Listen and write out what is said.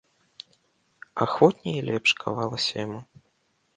Ахвотней і лепш кавалася яму.